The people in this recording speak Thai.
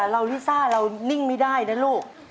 ลิซ่าเรานิ่งไม่ได้นะลูก